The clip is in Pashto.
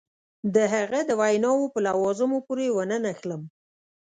د هغه د ویناوو په لوازمو پورې ونه نښلم.